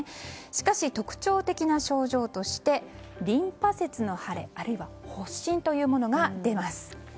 しかし、特徴的な症状としてリンパ節の腫れあるいは発疹というものが出ます。